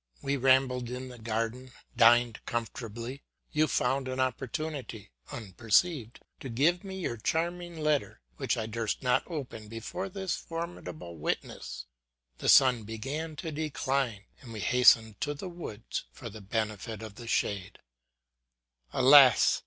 We rambled in the gar den, dined comfortably, you found an opportunity, unper ceived, to give me your charming letter, which I durst not open before this formidable witness ; the sun began to decline, and we hastened to the woods for the benefit of the shade. 272 LITERATURE OF AU, NATIONS. Alas